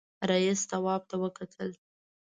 رئيسې تواب ته وکتل.